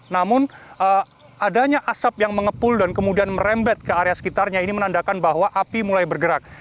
namun adanya asap yang mengepul dan kemudian merembet ke area sekitarnya ini menandakan bahwa api mulai bergerak